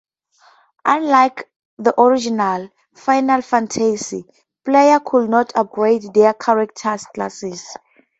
Unlike the original "Final Fantasy", players could not upgrade their characters' classes.